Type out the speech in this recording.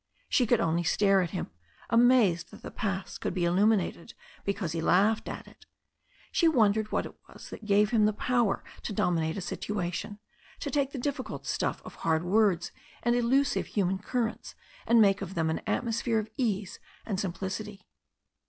She could only stare at him, amazed that the past could be eliminated because he laughed at it. She wondered what it was that gave him the power to dominate a situation, to take the difficult stuff of hard words and elusive human currents and make of them an atmosphere of ease and simplicity.